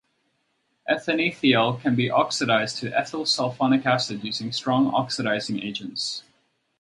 Ethanethiol can be oxidized to ethyl sulfonic acid, using strong oxidizing agents.